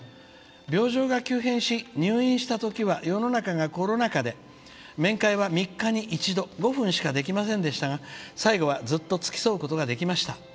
病状が急変し、入院したころは世の中がコロナ禍で面会は３日に一度５分しかできませんでしたが最後は、ずっとつきそうことができました」。